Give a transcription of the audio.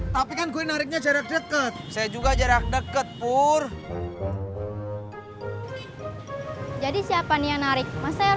tapi kan gue nariknya jarak deket saya juga jarak deket pur jadi siapa nih yang narik masa